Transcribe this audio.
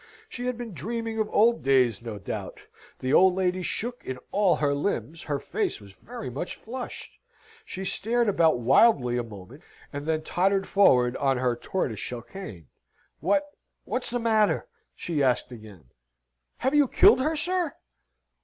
She had been dreaming of old days, no doubt. The old lady shook in all her limbs her face was very much flushed. She stared about wildly a moment, and then tottered forward on her tortoiseshell cane. "What what's the matter?" she asked again. "Have you killed her, sir?"